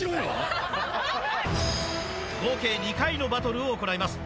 合計２回のバトルを行います